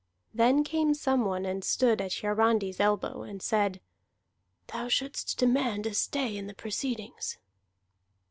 Then came some one and stood at Hiarandi's elbow, and said: "Thou shouldst demand a stay in the proceedings."